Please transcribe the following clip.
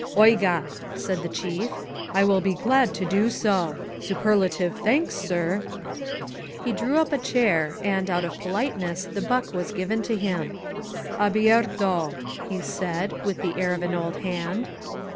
^Oigar said the Chief. "^ will be ^lad to do so. Superlative thanks, sirf He drew up a chair, and, out of politeness, the buck was given to him. ^Abierio! he said, with the air of an old hand.